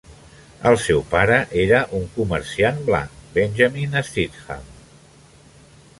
El seu pare era un comerciant blanc, Benjamin Stidham.